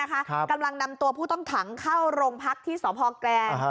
กำลังนำตัวผู้ต้องขังเข้าโรงพักที่สพแกลง